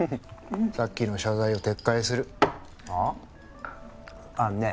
さっきの謝罪を撤回するはっ？